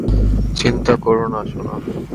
চিন্তা করো না, সোনা।